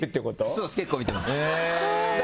そうです、結構見てます。